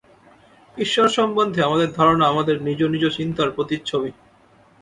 ঈশ্বর-সম্বন্ধে আমাদের ধারণা আমাদের নিজ নিজ চিন্তার প্রতিচ্ছবি।